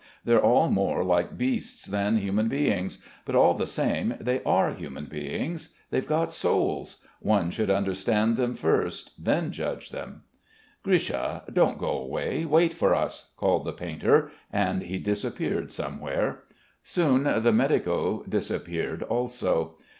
"They're all more like beasts than human beings; but all the same they are human beings. They've got souls. One should understand them first, then judge them." "Grisha, don't go away. Wait for us," called the painter; and he disappeared somewhere. Soon the medico disappeared also.